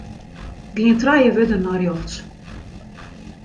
Gean trije wurden nei rjochts.